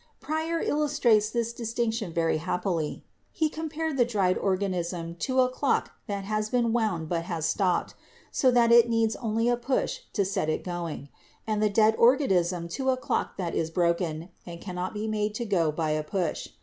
Preyer illustrates this distinction very happily. He com pares the dried organism to a clock that has been wound but has stopped, so that it needs only a push to set it going, and the dead organism to a clock that is broken and cannot be made to go by a push.